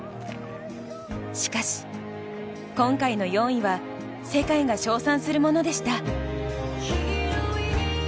しかし、今回の４位は世界が称賛するものでした。